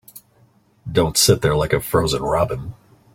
Don't sit there like a frozen robin.